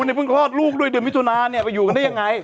แล้วเพิ่งรอดลูกด้วยด้วยวิทุณาเนี่ยไปอยู่กันได้ยังไง